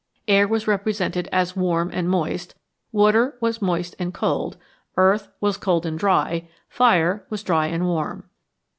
Air was represented as warm and moist, water was moist and cold, earth was cold and dry, fire was dry and warm.